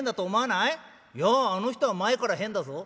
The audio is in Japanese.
「いやあの人は前から変だぞ」。